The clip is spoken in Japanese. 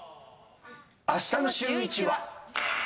あしたのシューイチは。